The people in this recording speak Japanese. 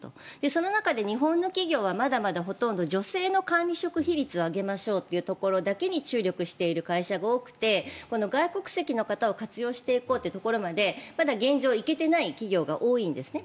その中で日本の企業はまだまだほとんど女性の管理職比率を上げましょうというところだけに注力している会社が多くて外国籍の方を活用していこうというところまでまだ現状、行けていない企業が多いんですね。